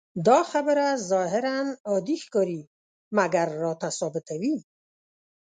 دا خبره ظاهراً عادي ښکاري، مګر راته ثابتوي.